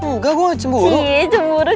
engga gue gak cemburu